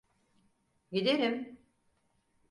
Giderim…